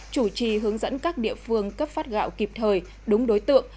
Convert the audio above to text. chủ trì hướng dẫn các địa phương cấp phát gạo kịp thời đúng đối tượng